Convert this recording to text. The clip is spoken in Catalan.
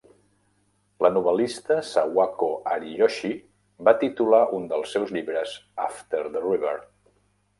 La novel·lista Sawako Ariyoshi va titular un dels seus llibres "after the river".